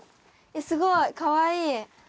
すごい！かわいい！